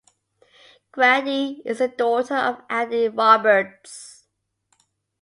Grady is the daughter of Addie Roberts.